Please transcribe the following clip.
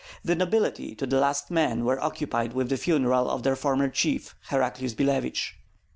The nobility to the last man were occupied with the funeral of their former chief, Heraclius Billevich.